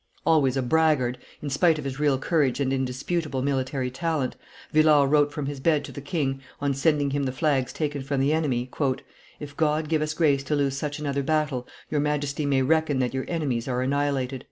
Always a braggart, in spite of his real courage and indisputable military talent, Villars wrote from his bed to the king, on sending him the flags taken from the enemy, "If God give us grace to lose such another battle, your Majesty may reckon that your enemies are annihilated."